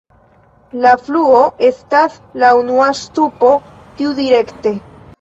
La fluo estas la unua ŝtupo tiudirekte.